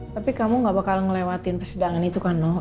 tapi kamu gak bakal ngelewatin persidangan itu kan nok